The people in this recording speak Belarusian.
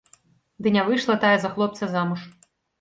Ды не выйшла тая за хлопца замуж.